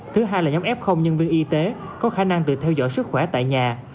thứ hai là nhóm f nhân viên y tế có khả năng tự theo dõi sức khỏe tại nhà